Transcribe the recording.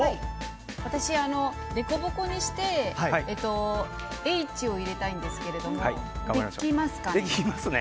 私、でこぼこにしてＨを入れたいんですけれどもできますかね？